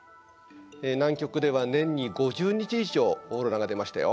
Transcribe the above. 南極では年に５０日以上オーロラが出ましたよ。